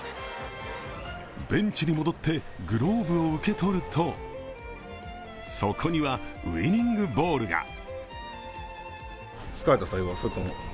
ベンチに戻ってグローブを受け取ると、そこにはウイニングボールが。